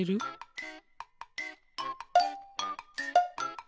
ピッ！